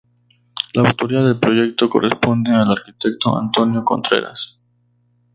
La autoría del proyecto corresponde al arquitecto Antonio Contreras.